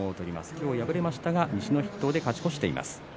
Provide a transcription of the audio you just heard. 今日、敗れましたが西の筆頭で勝ち越しています。